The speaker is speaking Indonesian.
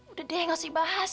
udah deh gak usah dibahas